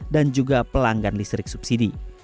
dan juga pelanggan listrik subsidi